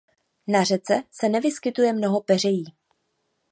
Na řece se vyskytuje mnoho peřejí.